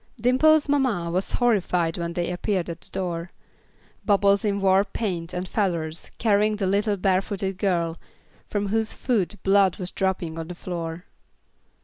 Dimple's mamma was horrified when they appeared at her door. Bubbles in war paint and feathers, carrying the little barefooted girl, from whose foot blood was dropping on the floor.